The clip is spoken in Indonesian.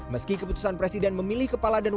meski keputusan presiden memilih keputusan ikn